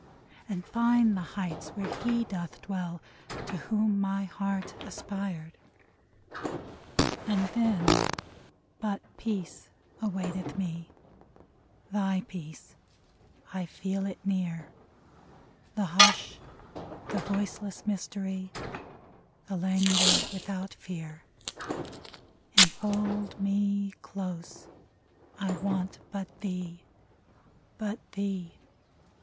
And find the heights where He doth dwell, To whom my heart aspired ! 153 AT DUSK And then — But peace awaiteth me • Thy peace : I feel it near ; The hush, the voiceless mystery, The languor without fear ! Enfold me — close ; I want but thee I But thee.